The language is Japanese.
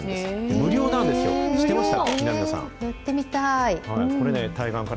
無料なんですよ、知ってました？